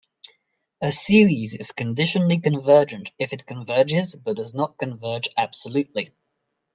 A series is conditionally convergent if it converges but does not converge absolutely.